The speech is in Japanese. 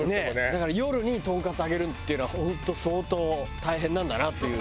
だから夜にトンカツ揚げるっていうのは本当相当大変なんだなっていう。